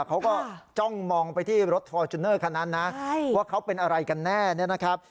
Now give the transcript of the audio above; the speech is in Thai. เขาก็จ้องมองไปที่รถฟอร์จูเนอร์คันนั้นนะว่าเขาเป็นอะไรกันแน่เนี่ยนะครับ